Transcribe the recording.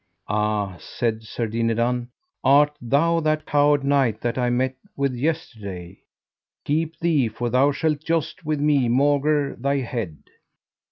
Ah, said Sir Dinadan, art thou that coward knight that I met with yesterday? keep thee, for thou shalt joust with me maugre thy head.